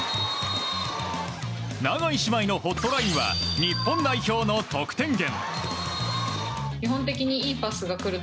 永井姉妹のホットラインは日本代表の得点源。